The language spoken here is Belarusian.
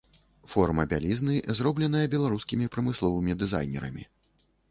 Форма бялізны зробленая беларускімі прамысловымі дызайнерамі.